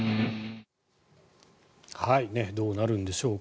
どうなるんでしょうか。